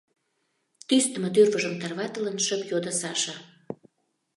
— тӱсдымӧ тӱрвыжым тарватылын, шып йодо Саша.